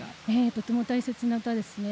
とても大切な歌ですね。